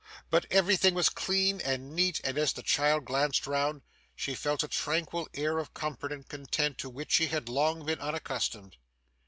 But everything was clean and neat, and as the child glanced round, she felt a tranquil air of comfort and content to which she had long been unaccustomed.